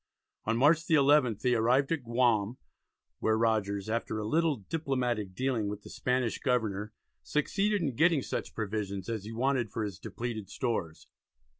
On March the 11th they arrived at Guam, where Rogers after a little diplomatic dealing with the Spanish governor succeeded in getting such provisions as he wanted for his depleted stores.